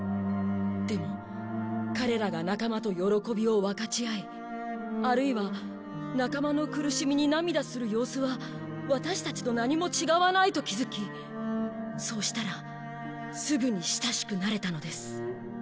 でも彼らが仲間と喜びを分かち合いあるいは仲間の苦しみに涙する様子はワタシたちと何も違わないと気づきそうしたらすぐに親しくなれたのです。